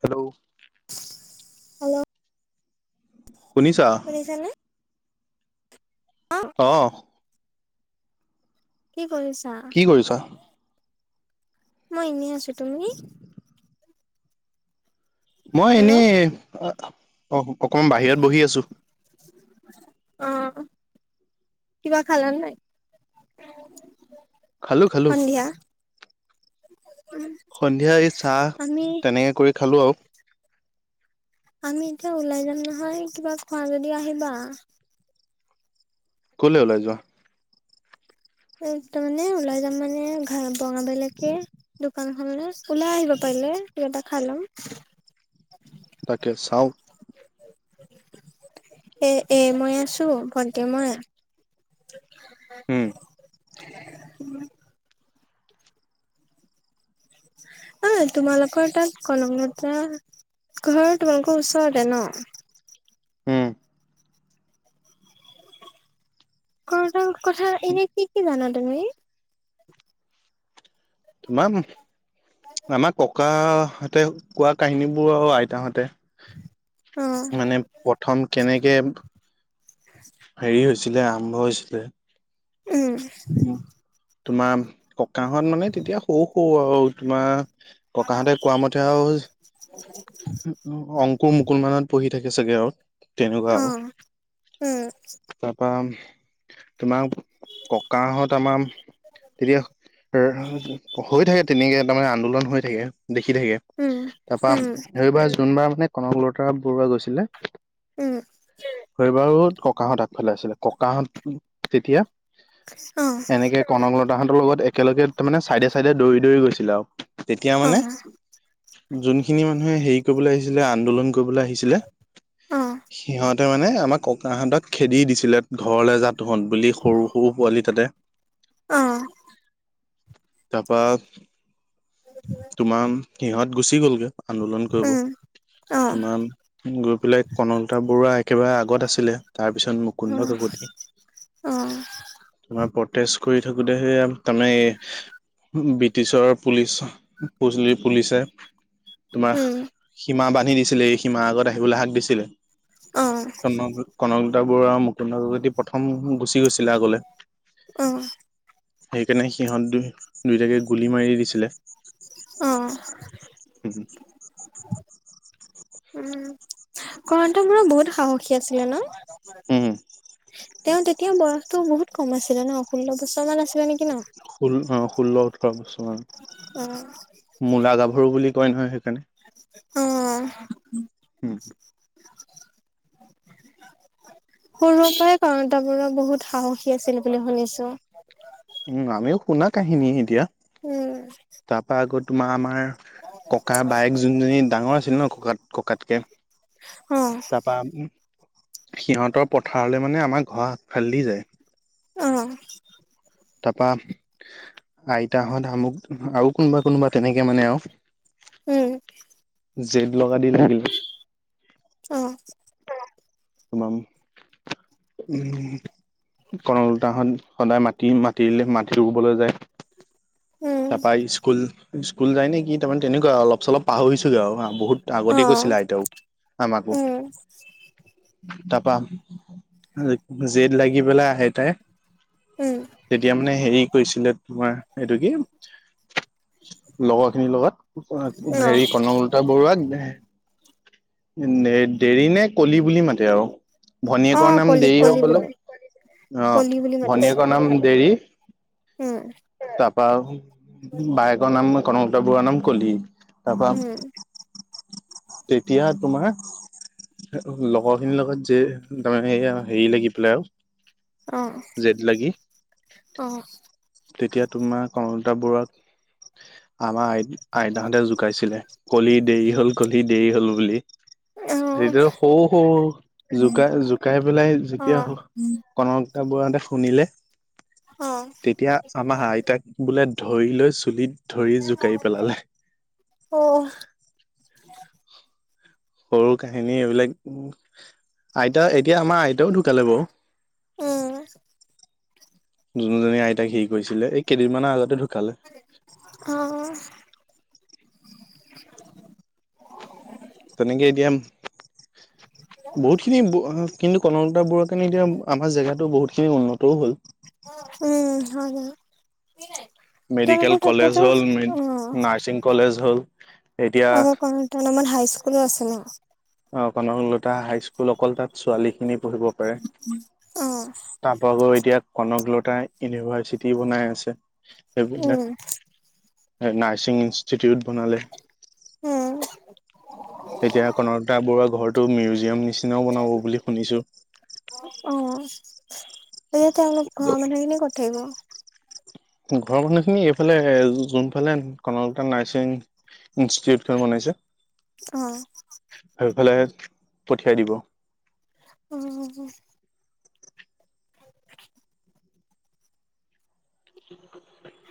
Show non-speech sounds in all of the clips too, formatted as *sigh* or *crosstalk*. Hello hello শুনিছা? শুনিছানে? অ', অ'হ কি কৰিছা? কি কৰিছা? মই এনেই আছো। তুমি? মই হেল্ল' এনেই, অ, অকণ বাহিৰত বহি আছো। অ'হ কিবা খালা নাই? খালো-খালো। সন্ধিয়া? *inaudible* সন্ধিয়া এই চাহ, আমি তেনেকে কৰি খালো আৰু। আমি এতিয়া ওলাই যাম নহয়, কিবা খোৱা যদি আহিবা। ক'লে ওলাই যোৱা? তাৰমানে ওলাই যাম মানে ঘাই বঙাবলৈকে দোকান খনলৈ ওলাই আহিবা পাৰিলে, কিবা এটা খাই ল'ম। তাকে চাওঁ এ-এ মই আছো, ভণ্টি মই। হম উম অই, তোমালোকৰ তাত কলংগৰ পৰা ঘৰ তোমালোকৰ ওচৰতে ন? উম কলেজৰ কথা এনে কি-কি জানা তুমি? তোমাম *unintelligible* আমাৰ ককাহঁতে কোৱা কাহিনী বোৰ আৰু আইতাহঁতে অ', মানে প্ৰথম কেনেকে হেৰি হৈ হৈছিলে আৰম্ভ হৈছিলে। উম। উম তোমাৰ ককাহঁত মানে তেতিয়া সৰু সৰু আৰু তোমাৰ। ককাহঁতে কোৱা মতে আৰু অংকুৰ মুকুল মানত। পঢ়ি থাকে চাগে আৰু তেনেকুৱা আৰু অ', উম। তাৰপা। তোমাক ককা। হৈ থাকে তেনেকে তাৰমানে আন্দোলন হৈ থাকে দেখি থাকে। উম, তাৰপৰা উম, সেইবাৰ যোনবাৰ। নে কনকলতা বৰুৱা গৈছিলে উম, সেইবাৰু। ককাহঁত আগফেলাই আছিলে ককাহঁত তেতিয়া। অ', এনেকে কনকলতা হঁতৰ লগত একেলগে তাৰ মানে চাইডে চাইডে দৌৰি দৌৰি গৈছিলে আৰু। তেতিয়া মানে অ', যোনখিনি মানুহে হেৰি কৰিবলৈ আহিছিলে আন্দোলন। কৰিবলৈ আহিছিলে অ', সিহঁত। তে মানে আমাৰ ককাহঁতক খেদি দিছিলে ঘৰলৈ যাত তহঁত বুলি সৰু সৰু পোৱালি। তাতে। অহ। তাৰপা। তোমাৰ সিহঁত গুচি গ'লগে। আন্দোলন কৰিব উম, অ', তোমাৰ গ্ৰোপ বিলাই কণকলতা বৰুৱা একেবাৰে আ গত আছিলে তাৰ পিছত উম, মুকুন্দ কাকতি অ', তোমাৰ পটেছ। কৰি থাকোঁতে সেই তাৰমানে ব্ৰিটিছৰ পুলিচ। পুলিচ পুলিচে তোমাৰ উম, সীমাবাদ। দিছিলে এই সীমাৰ আগত আহিবলৈ হাক দিছিলে কনক কনকলতা বৰুৱাৰ। আপোনালোক যদি প্ৰথম গুচি গৈছিলে আগলে। অ', অ', অ', সেইকাৰণে সিহঁত দু দুয়টাকে গুলি মাৰি দিছিলে। অহ। উম কনকলতা বৰুৱা বহুত সাহসী আছিলে ন। হু তেওঁ তেতিয়া বয়সতো বহুত কম আছিলে ন ষোল্ল বছৰ মান আছিলে নেকি ন। তাৰ পিছত অ', ‌মূলা গাভৰু বুলি কয় নহয় সেই। অ। উম। সৰুৰে পৰাই কনকলতা বৰুৱা বহুত সাহসী আছিল বুলি শুনিছোঁ। উম আমিও শুনা কাহিনী এতিয়া। তাৰপা উম। আকৌ তোমাৰ আমাৰ ককা বায়েক যোনজনী ডাঙৰ আছিল ন ককাত ককাতকে। অ', তাৰপৰা সিহঁতৰ পথাৰলে মানে আমাৰ ঘৰ ফালেদি যায়। অহ। তাৰপৰা আইতাহঁত‌ আমুক আৰু কোনোবা কোনোবা। তেনেকে মানে উম, আৰু জেদ লগা দি লাগিলে। অ। তোমাৰ উম কনকলতাহত সদায় মাটি মাটিৰে মাটি ৰুবলৈ যায়। উম, তাৰপৰা স্কুল স্কুল যাই নেকি তাৰমানে তেনেকুৱা অলপ চলপ পাহৰিছোগে আৰু বহুত। আগতে অ', কৈছিল আইতাও আমাকো। উম, তাৰা পা জেদ লাগি পেলাই আহে তাই। উম, তেতিয়া মানে হেৰি কৰিছিলে তোমাৰ এইটো কি। লগৰ খিনিৰ লগত, অ', হেৰি কণকলতা বৰুৱাক দে দেৰি নে কলি বুলি মাতে আৰু, ভনীয়েকৰ অ', নাম কলি, দেৰি হৈ কলি বোলো বুলি, অ কলি বুলি মাতিছো ভনীয়েকৰ নাম দেৰি, উম। তা বাৰু, বায়েকৰ নাম কনকলতা বৰুৱাৰ নাম কলি। তাৰপা উম। তেতিয়া তোমাৰ, লগৰখিনিৰ লগত যে তাৰমানে এয়া হেৰি লাগি পেলাই আৰু অহ জেদ লাগি অহ। তেতিয়া তোমাৰ কনকলতা বৰুৱাক আমাৰ আই - আইতাহঁতে জোকাইছিলে, কলি দেৰি হল কলি দেৰি হল বুলি। *inaudible* তেতিয়াতো সৰু সৰু জোকাই - জোকাই পেলাই জিকে আও কনক লতা বৰুৱা হঁতে শুনিলে তেতিয়া অ'। আমাৰ আইতাক বোলে ধৰি লৈ চুলিত ধৰি জোকাৰি পেলালে। সৰু কাহিনী এইবিলাক, উম আইতা এতিয়া আমাৰ আইতাও ঢুকালে বাৰু। উম। যোনজনী আইতাক হেৰি কৰিছিলে, এই কেইদিনমানৰ আগতে ধু অ'। তেনেকে এতিয়া, বহুতখিনি বু আ কিন্তু কনকলতা বৰুৱাৰ কাৰণে এতিয়া আমাৰ জেগাতো বহুতখিনি উন্নতও হ'ল। উম হয় হয়। মেডিকেল তোমালোকৰ কলেজ তাতেতো, হ'ল অ'। নাৰ্ছিং কলেজ হ'ল এতিয়া আৰু কনকলতাৰ নামত হাইস্কুলো আছে ন? অ' কনকলতা হাইস্কুল অকল তাত ছোৱালীখিনি পঢ়িব পাৰে। অ তাৰ পৰা গৈ এতিয়া কনকলতা ইউনিভাৰ্চিটি বনাই আছে। উম এইবিলাক, এই নাৰ্চিং ইনচ টিটিউট বনালে। উম এতিয়া কনকলতা বৰুৱাৰ ঘৰতো মিউজিয়াম নিচ নাও বনাব বুলি শুনিছো। তেতিয়া তেওঁলোক ঘৰৰ মানুহখিনি ক'ত থাকিব? ঘৰৰ মানুহখিনি এইফালে যোনফালে কনকলতা নাৰ্চিং ইনষ্টিটিউটখন বনাইছে। অ সেইফালে পঠিয়াই দিব। উম। *inaudible* *inaudible*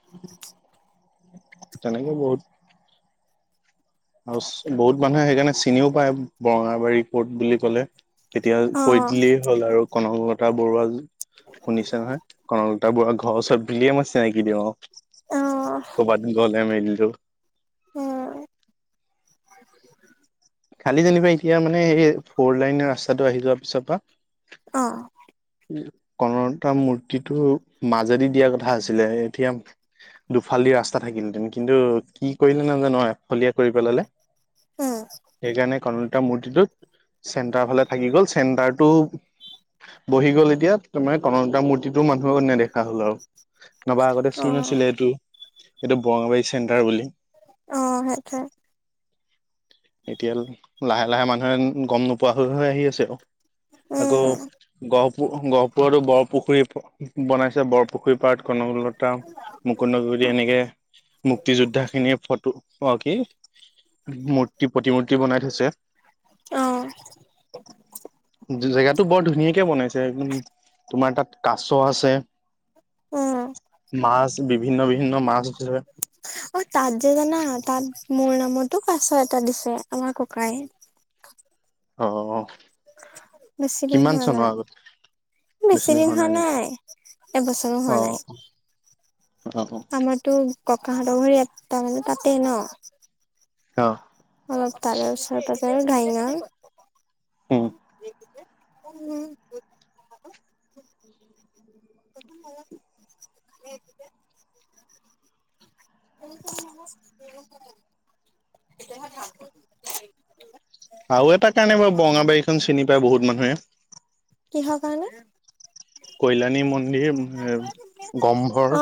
*inaudible* তেনেকে বহুত আৰু বহুত মানুহে সেইকাৰণে চিনিও পায় বৰঙাবাৰী কোৰ্ট বুলি কলে। তেতিয়া অ কৈ দিলেই হ'ল আৰু কনক লতা বৰুৱা শুনিছে নহয়? কনকলতা বৰুৱা ঘৰৰ ওচৰত বুলিয়ে মই চিনাকি দিওঁ আও। অ ক'বাত গলে মেলিলেও। অ'। খালি যেনিবা এতিয়া মানে সেই ফৰ লাইনৰ ৰাস্তাটো আহি যোৱাৰ পিছৰ পৰা অহ। কনকলতা মূৰ্তিটো মাজেদি দিয়া কথা আছিলে এতিয়া দুফাল দি ৰাস্তা থাকিলে কিন্তু কি কৰিলে নাজানো আৰু একফলীয়া কৰি পেলালে। উম সেইকাৰণে কন এতা মূৰ্তিটোত চেণ্টাৰৰ ফালে থাকি গ'ল চেণ্টাৰটো বহি গ'ল এতিয়া মানে কনকলতা মূৰ্তিটোও মানুহ নেদেখা হ'ল আৰু। নবা আগতে অ চিন আছিলে এইটো-এইটো বৰঙাবাৰী চেণ্টাৰ বুলি। অহ, সেইটোৱে এতিয়া লাহে- লাহে মানুহে গম নোপোৱা হৈ- হৈ আহি আছে আও। আকৌ উম গহপু-গহপুৰতো বৰপুখুৰী ব-বনাইছে, বৰপুখুৰী পাৰত কনকলতা মুকুন্দ ঘুৰি এনেকে মুক্তি যোদ্ধা খিনিৰ ফটো অহ, কি? মূৰ্তি প্ৰতিমূৰ্তি বনাই থৈছে। অ *inaudible* জে-জেগাতটো বৰ ধুনীয়া যেন তোমাৰ তাত কাছ আছে, উম মাছ বিভিন্ন বিভিন্ন মাছ আছে অ' তাত যে জানা, তাত মোৰ নামতো কাছ এটা দিছে, আমাৰ ককাই। অ'। বেছিদিন কিমান হোৱা চনৰ নাই। আগত বিছি দিন হোৱা নাই এবছৰো অ হোৱা নাই। অ আমাৰতো ককাহঁতৰ ঘৰ ইয়াত তাৰমানে তাতে ন ' অহ অলপ তাৰে ওচৰে - পাজৰে গাই না হম *unintelligible* *unintelligible* *unintelligible* *inaudible* প্ৰায় বহুত মানুহে কিহৰ কাৰণে? কল্যাণী মন্দিৰ গম্ভৰ, অ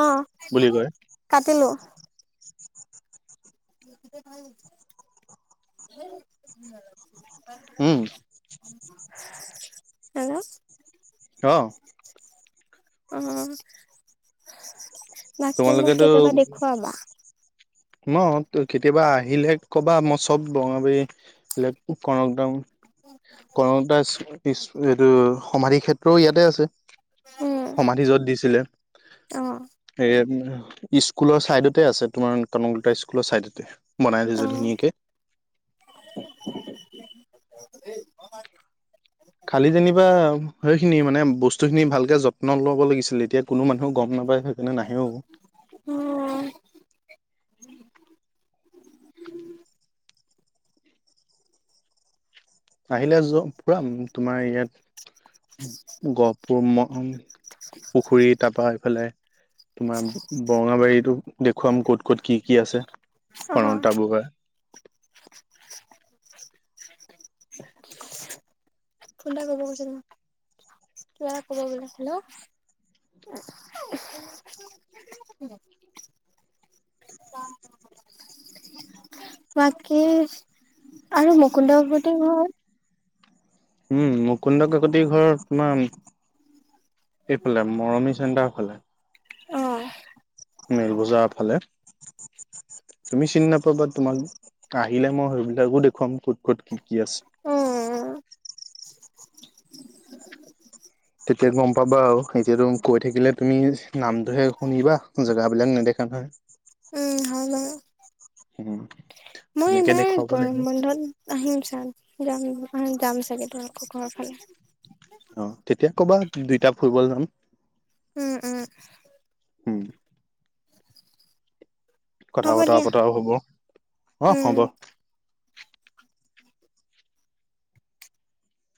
বুলি কয়। কাটিলো *unintelligible* উম হেল্ল', অ', অ', বাকী মোক তোমালোকেতো কেতিয়াবা দেখুৱাবা। ন' কেতিয়াবা আহিলে কবা মই চব বঙাবাৰী কদম কনকলতা ইচ এইটো সমাধি ক্ষেত্ৰও ইয়াতে আছে, উম সমাধি য'ত দিছিলে অ হেইদ স্কুলৰ চাইদতে আছে তোমাৰ কনকলতা স্কুলৰ চাইদতে বনাই অ থৈছে ধুনীয়াকে। *unintelligible* খালি যেনিবা সেইখিনি মানে বস্তু খিনি ভালকে যত্ন ল'ব লাগিছিলে। এতিয়া কোনো মানুহ গম নাপাই সেনে নাহেও। অ অ আহিলে যোৱা ফুৰাম তোমাৰ ইয়াত গহপুৰ *unintelligible* পুখুৰী তাৰপা ইফালে তোমাৰ বৰঙাবাৰীতো দেখুৱাম ক'ত- ক'ত কি -কি আছে। কনকলতা ফোন বৰুৱাৰ ফোন এটা কৰিব কৈছে তোমাক কিবা এটা কব বলে। হেল্ল' *inaudible* বাকী *inaudible* আৰু মুকুন্দ কাকতিৰ ঘৰ? উম, মুকুন্দ কাকতি ঘৰ তোমাৰ এইফালে মৰমি চেন্টাৰ ফালে। অ'। মেল বজাৰৰ *inaudible* তুমি চিনি নাপাবা তোমাক আহিলে মই সেইবিলাকো দেখুৱাম ক'ত ক'ত কি কি আছে। উম তেতিয়াত গম পাবা আৰু এতিয়াতো কৈ থাকিলে তুমি নামটোহে শুনিবা জেগাবিলাক নেদেখা দেখা উম হা লো উম মই তেনেকে এবাৰ দেখুৱাব গৰম লাগিব বন্ধত আহিম ছাৰ যাম অ জাম ছাগে তোমালোকৰ ঘৰ ফালে। অহ, তেতিয়া ক'বা দুইটা ফুৰিবলে যাম। উম- উম উম কথা হ'ব বতৰা দিয়া পতাও হ'ব, অহ উম হ'ব।